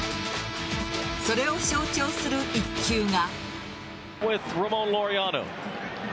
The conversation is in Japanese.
それを象徴する１球が。